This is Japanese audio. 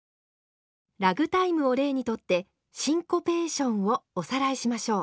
ラグタイムを例にとってシンコペーションをおさらいしましょう。